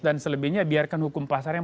dan selebihnya biarkan hukum pasar yang